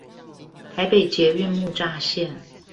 台北捷運木柵線